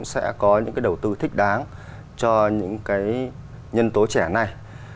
và các quản lý cũng sẽ có những đầu tư thích đáng cho những nhân tố trẻ này